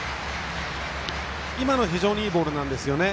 今のは非常にいいボールなんですよね。